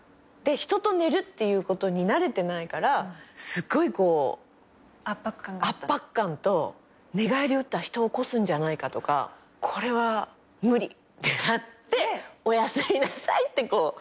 人と寝るっていうことに慣れてないからすごいこう圧迫感と寝返り打ったら人を起こすんじゃないかとかこれは無理ってなっておやすみなさいってこう。